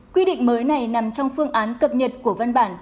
quy định mới này nằm trong phương án cập nhật của văn bản